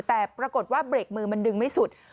แต่ปรากฏว่าเบรกมือมันดึงไม่สุด